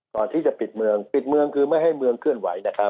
ก่อนที่จะปิดเมืองปิดเมืองคือไม่ให้เมืองเคลื่อนไหวนะครับ